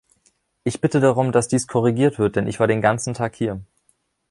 Ich bitte darum, dass dies korrigiert wird, denn ich war den ganzen Tag hier.